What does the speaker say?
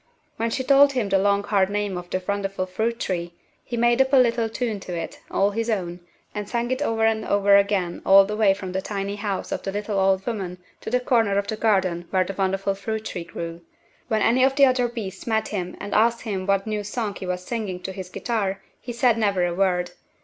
When she told him the long hard name of the wonderful fruit tree he made up a little tune to it, all his own, and sang it over and over again all the way from the tiny house of the little old woman to the corner of the garden where the wonderful fruit tree grew. When any of the other beasts met him and asked him what new song he was singing to his guitar, he said never a word.